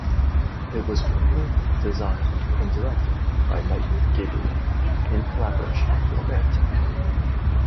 It was written, designed and directed by Mike Gabriel, in collaboration with Grant.